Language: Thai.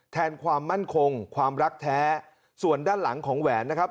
แทนความมั่นคงความรักแท้ส่วนด้านหลังของแหวนนะครับ